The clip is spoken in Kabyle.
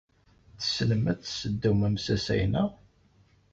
Tessnem ad tesseddum amsasay, naɣ?